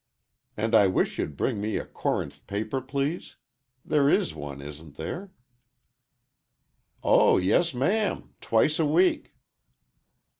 And I wish you'd bring me a Corinth paper, please?' There is one, isn't there?" "Oh, yes, ma'am. Twice a week."